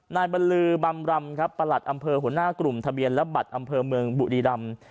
นายบรรลือบำรำครับประหลัดอำเภอหัวหน้ากลุ่มทะเบียนและบัตรอำเภอเมืองบุรีรำ